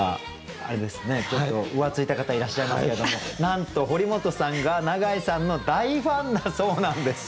ちょっと浮ついた方いらっしゃいますけどもなんと堀本さんが永井さんの大ファンだそうなんです！